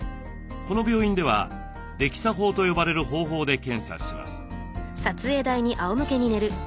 この病院ではＤＥＸＡ法と呼ばれる方法で検査します。